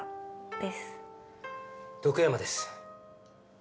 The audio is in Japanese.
徳山です。